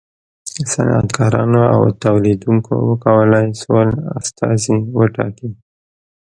صنعتکارانو او تولیدوونکو و کولای شول استازي وټاکي.